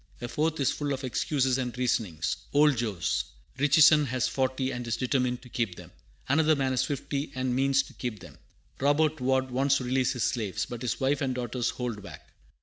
A fourth is full of "excuses and reasonings." "Old Jos. Richison has forty, and is determined to keep them." Another man has fifty, and "means to keep them." Robert Ward "wants to release his slaves, but his wife and daughters hold back."